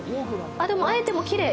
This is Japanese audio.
でも、あえてもきれい。